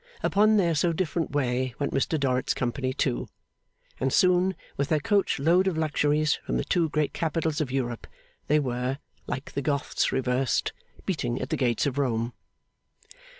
Upon their so different way went Mr Dorrit's company too; and soon, with their coach load of luxuries from the two great capitals of Europe, they were (like the Goths reversed) beating at the gates of Rome.